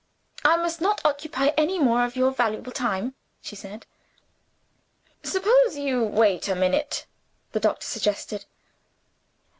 "I must not occupy any more of your valuable time," she said. "Suppose you wait a minute?" the doctor suggested.